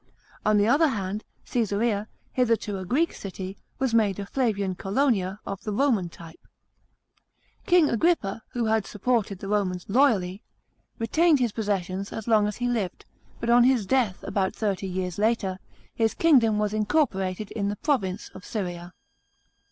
On the other hand, Csesarea, hitherto a Greek city, was made a Flavian Colonia of Roman type. King Agrippa, who had sup ported the Romans loy.illy, retained his possessions as long as he lived; but on his death, about thirty years later, his kingdom was incorporated in the province of Syria.